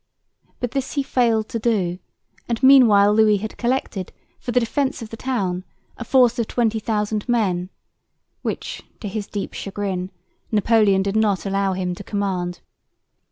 But this he failed to do; and meanwhile Louis had collected, for the defence of the town, a force of 20,000 men, which, to his deep chagrin, Napoleon did not allow him to command.